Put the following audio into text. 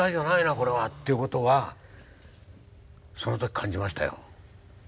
これはっていうことはその時感じましたよ。